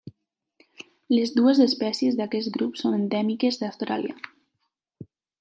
Les dues espècies d'aquest grup són endèmiques d'Austràlia.